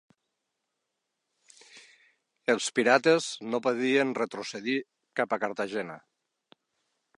Els pirates no podien retrocedir cap a Cartagena.